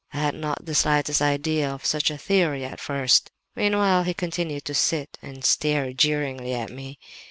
I had not the slightest idea of such a theory at first. "Meanwhile he continued to sit and stare jeeringly at me.